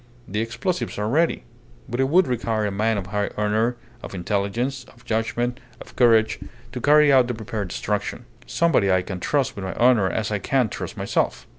The explosives are ready. But it would require a man of high honour, of intelligence, of judgment, of courage, to carry out the prepared destruction. Somebody I can trust with my honour as I can trust myself.